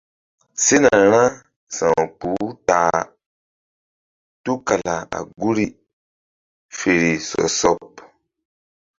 Sena ra sa̧wkpuh u ta a tukala a guri ay fe ri sɔ sɔɓ.